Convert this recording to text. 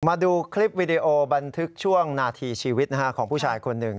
มาดูคลิปวิดีโอบันทึกช่วงนาทีชีวิตของผู้ชายคนหนึ่ง